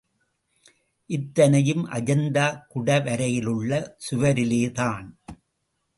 இத்தனையும் அஜந்தா குடைவரையிலுள்ள சுவரிலேதான்.